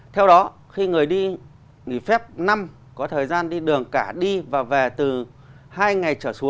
theo đó khi người đi nghỉ phép năm có thời gian đi đường cả đi và về từ hai ngày